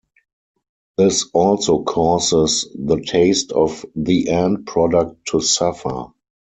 This also causes the taste of the end product to suffer.